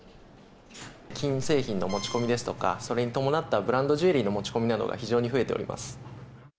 金製品の持ち込みですとか、それに伴ったブランドジュエリーの持ち込みなどが非常に増えております。